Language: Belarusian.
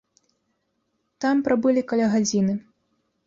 Там прабылі каля гадзіны.